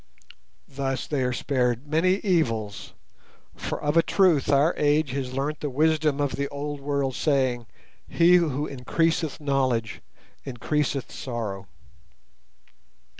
Thus they are spared many evils, for of a truth our age has learnt the wisdom of the old world saying, "He who increaseth knowledge, increaseth sorrow."